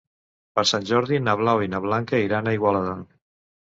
Per Sant Jordi na Blau i na Blanca iran a Igualada.